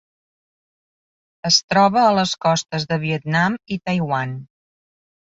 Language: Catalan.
Es troba a les costes de Vietnam i Taiwan.